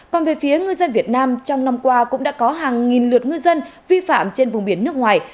còn về phía ngư dân việt nam trong năm qua cũng đã có hàng nghìn lượt ngư dân vi phạm trên vùng biển nước ngoài